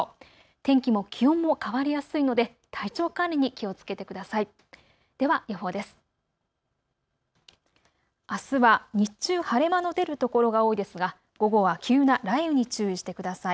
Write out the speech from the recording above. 天気も気温も変わりやすいので体調管理に気をつけてください。